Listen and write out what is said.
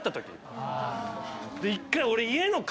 で１回俺。